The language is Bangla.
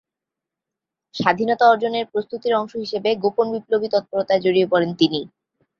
স্বাধীনতা অর্জনের প্রস্তুতির অংশ হিসেবে গোপন বিপ্লবী তৎপরতায় জড়িয়ে পড়েন তিনি।